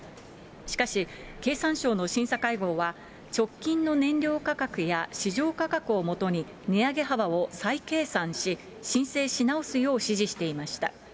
しかし、経産省の審査会合は、直近の燃料価格や市場価格をもとに値上げ幅を再計算し、申請し直すよう指示していました。